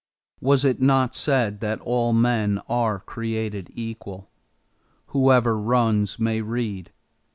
Was it not said that all men are created equal? Whoever runs may read.